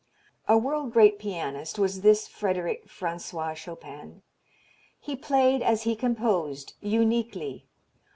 A world great pianist was this Frederic Francois Chopin. He played as he composed: uniquely.